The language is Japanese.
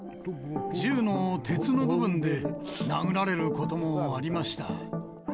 銃の鉄の部分で殴られることもありました。